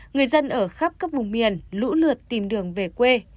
người dân ở khắp các vùng miền lũ lượt tìm đường về quê